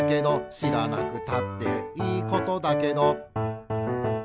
「しらなくたっていいことだけど」